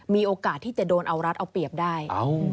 มีโอกาสที่จะโดนเอารัดเอาเปรียบได้